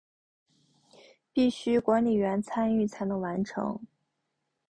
必须管理员参与才能完成。